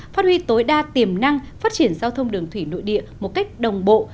phát huy tối đa tiềm năng phát triển giao thông đường thủy nội địa một cách đồng bộ